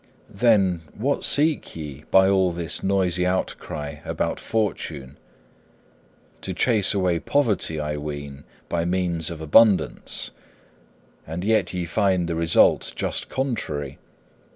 'Then, what seek ye by all this noisy outcry about fortune? To chase away poverty, I ween, by means of abundance. And yet ye find the result just contrary.